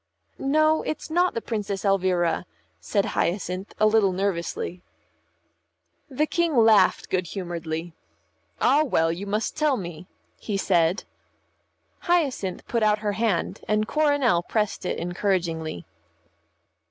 "No, it's not the Princess Elvira," said Hyacinth, a little nervously. The King laughed good humouredly. "Ah, well, you must tell me," he said. Hyacinth put out her hand, and Coronel pressed it encouragingly.